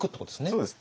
そうです。